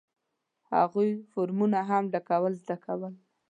هغوی فورمونه هم ډکول زده کړل.